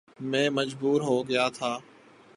میں مجبور ہو گیا تھا